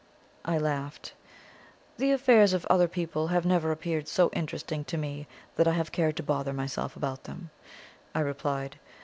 I laughed. "The affairs of other people have never appeared so interesting to me that I have cared to bother myself about them," I replied.